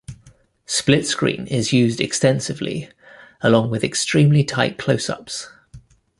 Split-screen is used extensively, along with extremely tight closeups.